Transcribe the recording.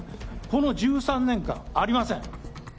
この１３年間ありません。